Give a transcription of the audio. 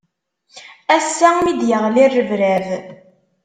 Ass-a mi d-yeɣli rrebrab.